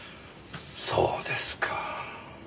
そうですか。